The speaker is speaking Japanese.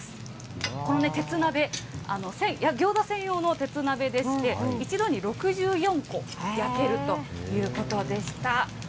これね、鉄鍋、ギョーザ専用の鉄鍋でして、一度に６４個、焼けるということでした。